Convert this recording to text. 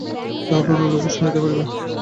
তাহাতে অন্য লোকেও সহায়তা করিতে পারে।